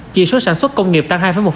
chỉ số sản xuất công nghiệp tăng hai một